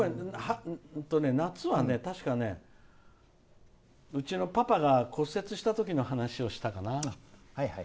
夏はね、確かうちのパパが骨折した時の話をしたかな。